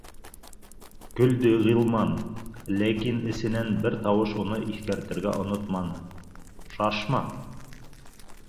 Көлдө Ғилман, ләкин эсенән бер тауыш уны иҫкәртергә онотманы: шашма